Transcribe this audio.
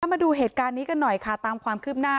มาดูเหตุการณ์นี้กันหน่อยค่ะตามความคืบหน้า